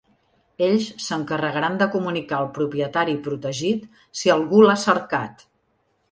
Ells s’encarregaran de comunicar al propietari protegit si algú l’ha cercat.